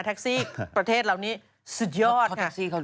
ซี่ประเทศเรานี้สุดยอดค่ะ